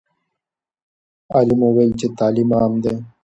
عالم وویل چې تعلیم عام دی.